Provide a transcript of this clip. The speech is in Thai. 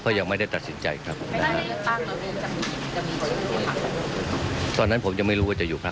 เพราะว่ามีชื่อท่านมาคู่กันสองคนอย่างนี้เลยหรือเปล่า